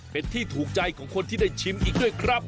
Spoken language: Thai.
เป็นที่ถูกใจของคนที่ได้ชิมอีกด้วยครับ